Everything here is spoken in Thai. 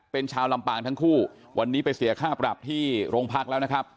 เป็นชาวลำปางทั้งคู่วันนี้ไปเสียค่าปรับที่โรงพักแล้วนะครับ